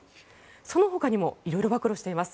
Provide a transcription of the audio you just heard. そのほかにも色々暴露しています。